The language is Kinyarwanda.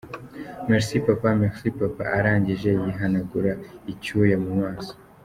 Merci Papa! Merci Papa!” Arangije yihanagura icyuya mu maso.